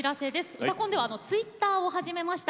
「うたコン」ではツイッターを始めました。